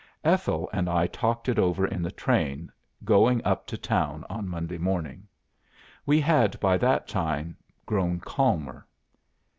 "Ethel and I talked it over in the train going up to town on Monday morning. We had by that time grown calmer.